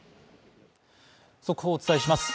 速報をお伝えします。